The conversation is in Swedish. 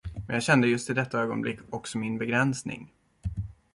Men jag kände just i detta ögonblick också min begränsning.